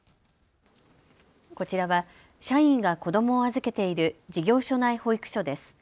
こちらは社員が子どもを預けている事業所内保育所です。